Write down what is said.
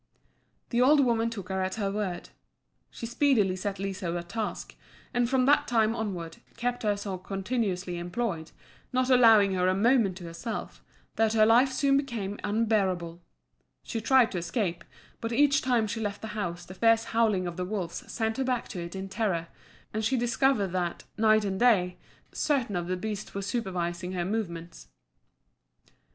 The old woman took her at her word. She speedily set Liso a task, and from that time onward, kept her so continuously employed, not allowing her a moment to herself, that her life soon became unbearable. She tried to escape, but each time she left the house the fierce howling of the wolves sent her back to it in terror, and she discovered that, night and day, certain of the beasts were supervising her movements.